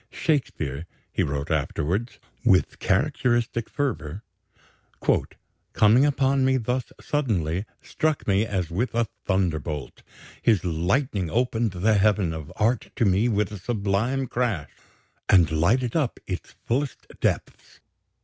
"Shakespeare," he wrote afterwards, with characteristic fervor, "coming upon me thus suddenly, struck me as with a thunderbolt. His lightning opened the heaven of art to me with a sublime crash, and lighted up its fullest depths.